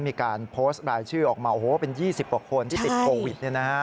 มีการโพสต์รายชื่อออกมาโอ้โหเป็น๒๐กว่าคนที่ติดโควิด